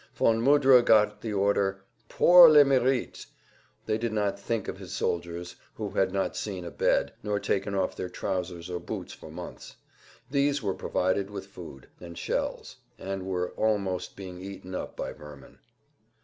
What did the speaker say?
Von Mudra got the order "Pour le merite"; they did not think of his soldiers who had not seen a bed, nor taken off their trousers or boots for months; these were provided with food—and shells, and were almost being eaten up by vermin.